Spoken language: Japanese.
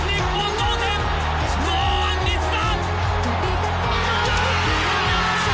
堂安律だ！